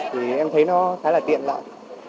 thì em thấy nó khá là tiện lợi